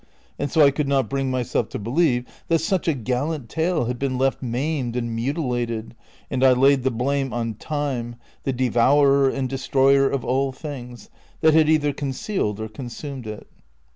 And so I could not bring myself to believe that such a gallant tale had been left maimed and mutilated, and I laid the blame on Time, the devourer and destroyer of all things, that had either concealed or consumed it.